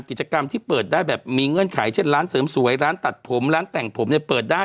กิจกรรมที่เปิดได้แบบมีเงื่อนไขเช่นร้านเสริมสวยร้านตัดผมร้านแต่งผมเนี่ยเปิดได้